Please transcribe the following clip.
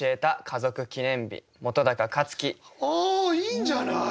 いいんじゃない！？